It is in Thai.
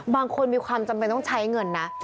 มีความจำเป็นต้องใช้เงินนะ